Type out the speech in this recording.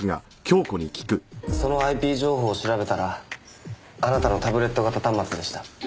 そのＩＰ情報を調べたらあなたのタブレット型端末でした。